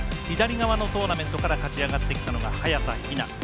左側のトーナメントから勝ち上がってきたのが早田ひな。